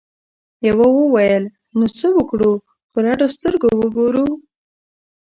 یوه وویل نو څه وکړو په رډو سترګو وګورو؟